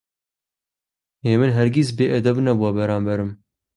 هێمن هەرگیز بێئەدەب نەبووە بەرامبەرم.